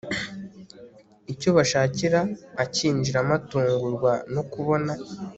icyo bashakira akinjiramo atungurwa nokubona…